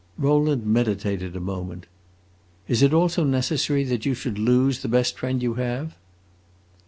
Rowland meditated a moment. "Is it also necessary that you should lose the best friend you have?"